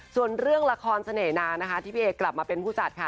ส่วนเรื่องละครเสน่หนานะคะที่พี่เอกลับมาเป็นผู้จัดค่ะ